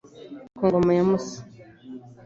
Ku ngoma ya Musa,